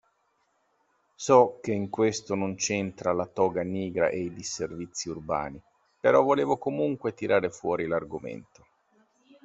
So che in questo non c'entra la Toga Nigra e i disservizi urbani, però volevo comunque tirare fuori l'argomento.